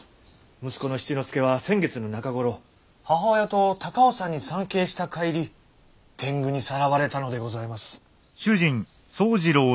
息子の七之助は先月の中ごろ母親と高尾山に参詣した帰り天狗にさらわれたのでございます。